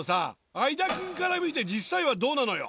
相田君から見て実際はどうなのよ。